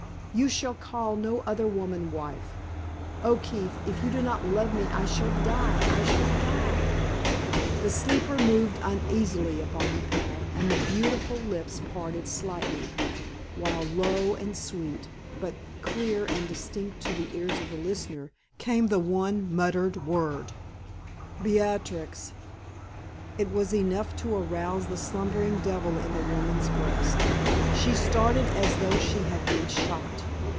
You shall call no other woman wife! Oh, Keith! if you do not love me I shall die I shall die!" The sleeper moved uneasily upon the pillow, and the beautiful lips parted slightly, while, low and sweet, but clear and distinct to the ears of the listener, came the one muttered word: "Beatrix!" It was enough to arouse the slumbering devil in the woman's breast. She started as though she had been shot.